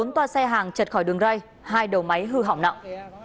bốn toa xe hàng chật khỏi đường ray hai đầu máy hư hỏng nặng